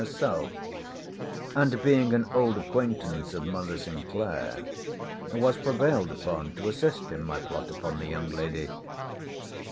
herself; and, being an old acquaintance of mother Sinclair, was prevailed upon to assist in my plot upon the young lady.